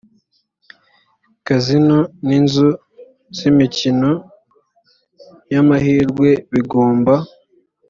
kazino n inzu z imikino y amahirwe bigomba